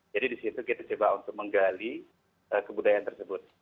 jadi disitu kita coba untuk menggali kebudayaan tersebut